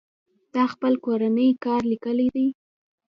تا خپل کورنۍ کار ليکلى دئ.